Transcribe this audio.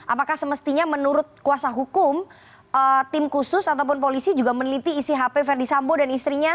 apakah semestinya menurut kuasa hukum tim khusus ataupun polisi juga meneliti isi hp verdi sambo dan istrinya